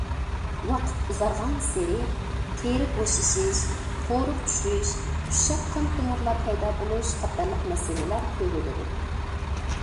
ۋاقىت ئۇزارغانسېرى تېرە بوشىشىش، قورۇق چۈشۈش، ئۇششاق قان تومۇرلار پەيدا بولۇش قاتارلىق مەسىلىلەر كۆرۈلىدۇ.